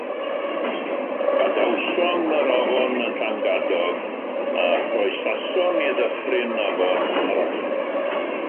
Gadawsom yr afon yn Llangadog, a chroesasom i ddyffryn afon arall.